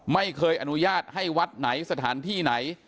ไม่เคยอนุญาตให้วัดไหนสถานที่ไหน